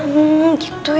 hmm gitu ya